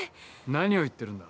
何を言ってるんだ。